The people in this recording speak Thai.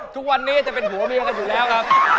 ทุกวันนี้จะเป็นผัวเมียกันอยู่แล้วครับ